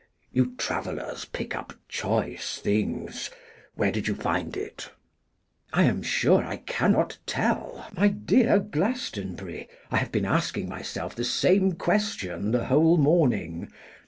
You travellers pick up choice things. Where did you find it?' 'I am sure I cannot tell, my dear Glastonbury; I have been asking myself the same question the whole morning.